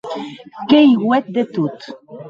Qu’ei uet de tot.